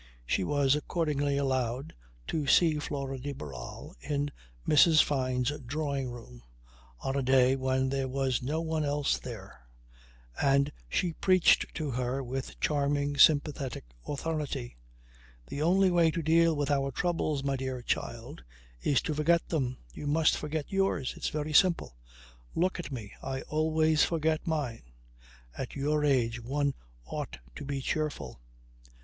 She was accordingly allowed to see Flora de Barral in Mrs. Fyne's drawing room on a day when there was no one else there, and she preached to her with charming, sympathetic authority: "The only way to deal with our troubles, my dear child, is to forget them. You must forget yours. It's very simple. Look at me. I always forget mine. At your age one ought to be cheerful."